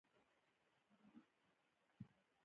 هګۍ د عضلاتو ودې ته ګټه رسوي.